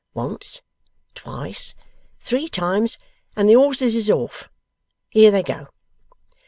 Once, twice, three times, and the horses is off. Here they go!